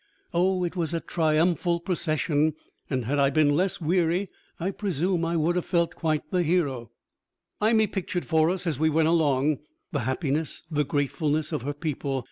Oh, it was a triumphal procession, and had I been less weary, I presume I would have felt quite the hero. Imee pictured for us, as we went along, the happiness, the gratefulness of her people.